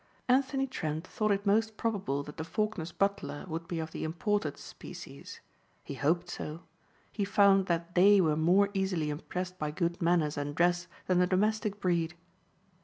Anthony Trent thought it most probable that the Faulkner's butler would be of the imported species. He hoped so. He found that they were more easily impressed by good manners and dress than the domestic breed.